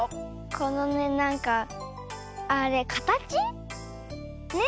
このねなんかあれかたち？ね？